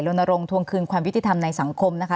ท่านท่านโรนโลงทวงคืนความวิทยาธิธรรมในสังคมนะคะ